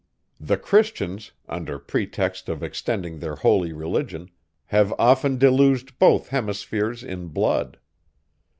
The CHRISTIANS, under pretext of extending their holy religion, have often deluged both hemispheres in blood.